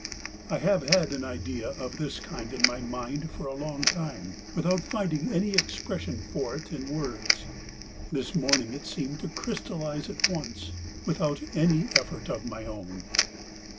I have had an idea of this kind in my mind for a long time, without finding any expression for it in words. This morning it seemed to crystallize at once, without any effort of my own."